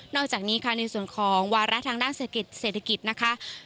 อกจากนี้ค่ะในส่วนของวาระทางด้านเศรษฐกิจนะคะ